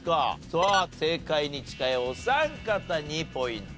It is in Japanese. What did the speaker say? さあ正解に近いお三方にポイントが入ります。